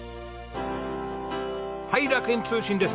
はい楽園通信です。